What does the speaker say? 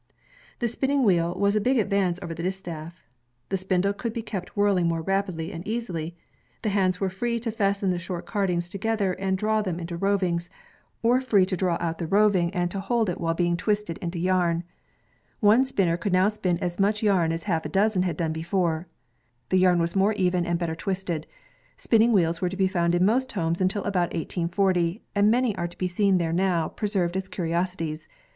The spinning wheel was a big advance over the distaff. The spindle could be kept whirling more rapidly and easily. The hands were free to fasten the short cardings together and draw them into rovings, or free to draw out the roving CARDING WOOL BY HAND on one card and ()0 INVENTIONS OF MANUFACTURE AND PRODUCTION and to hold it while being twisted into yam. One spinner cx>uld now spin as much yam as a half dozen had done before. The yam was more ev^i, and better twisted. Spinning wheels were to be found in most homes until about 1840, and many are to be seen there now, preserved as curio^ties.